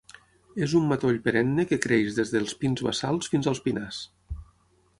És un matoll perenne que creix des dels pins bassals fins als pinars.